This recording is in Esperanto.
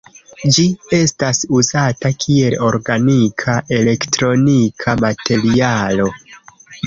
Ĝi estas uzata kiel organika elektronika materialo.